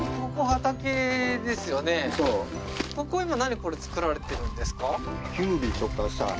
ここは今何これ作られてるんですか？